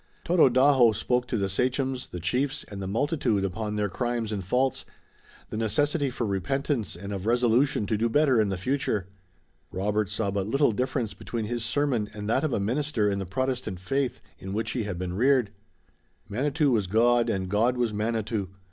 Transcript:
Tododaho spoke to the sachems, the chiefs and the multitude upon their crimes and faults, the necessity for repentance and of resolution to do better in the future. Robert saw but little difference between his sermon and that of a minister in the Protestant faith in which he had been reared. Manitou was God and God was Manitou.